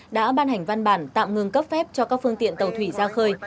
đã ban hành văn bản tạm ngừng cấp phép cho các phương tiện tàu thủy ra khơi